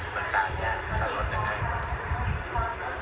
มันต่างจากถ้าลดจากนั้น